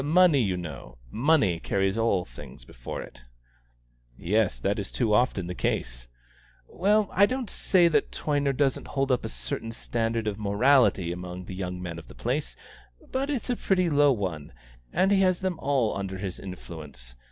Money, you know money carries all things before it." "Yes, that is too often the case." "Well, I don't say that Toyner doesn't hold up a certain standard of morality among the young men of the place, but it's a pretty low one; and he has them all under his influence.